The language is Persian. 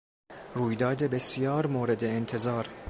رویداد بسیار مورد انتظار